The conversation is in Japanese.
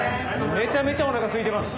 めちゃめちゃお腹すいてます！